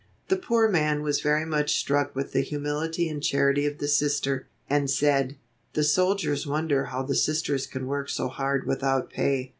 The poor man was very much struck with the humility and charity of the Sister, and said: "The soldiers wonder how the Sisters can work so hard without pay."